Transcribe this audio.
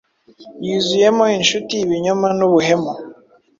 Yuzuyemo inshuti ibinyoma nubuhemu